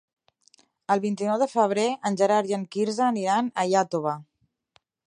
El vint-i-nou de febrer en Gerard i en Quirze aniran a Iàtova.